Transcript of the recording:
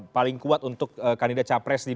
paling kuat untuk kandida capres di dua ribu dua puluh